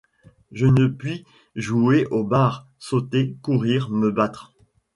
Je ne puis jouer aux barres, sauter, courir, me battre.